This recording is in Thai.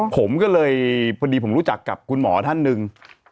ผมก็เลยพอดีผมรู้จักกับคุณหมอท่านหนึ่ง